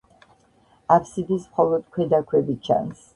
აბსიდის მხოლოდ ქვედა ქვები ჩანს.